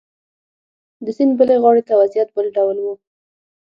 د سیند بلې غاړې ته وضعیت بل ډول و.